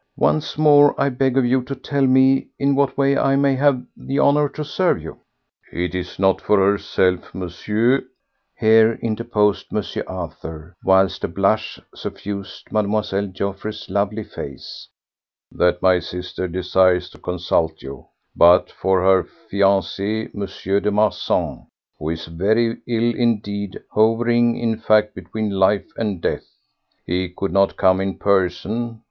"Once more I beg of you to tell me in what way I may have the honour to serve you." "It is not for herself, Monsieur," here interposed M. Arthur, whilst a blush suffused Mlle. Geoffroy's lovely face, "that my sister desires to consult you, but for her fiancé M. de Marsan, who is very ill indeed, hovering, in fact, between life and death. He could not come in person.